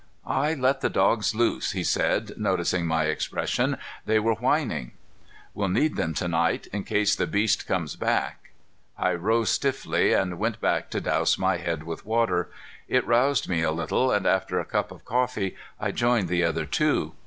"I let the dogs loose," he said, noticing my expression. "They were whining." "We'll need them to night, in case the beast comes back." I rose stiffly and went back to douse my head with water. It roused me a little and, after a cup of coffee, I joined the other two.